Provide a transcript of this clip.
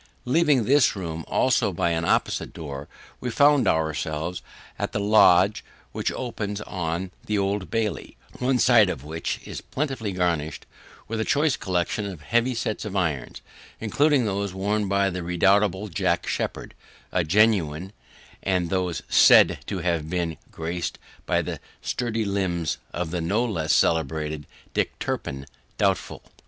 Leaving this room also, by an opposite door, we found ourself in the lodge which opens on the Old Bailey; one side of which is plentifully garnished with a choice collection of heavy sets of irons, including those worn by the redoubtable Jack Sheppard genuine; and those SAID to have been graced by the sturdy limbs of the no less celebrated Dick Turpin doubtful.